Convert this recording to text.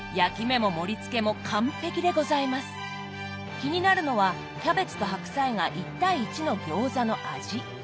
気になるのはキャベツと白菜が１対１の餃子の味。